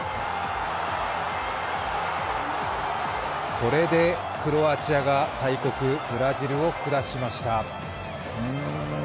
これでクロアチアが大国ブラジルを下しました。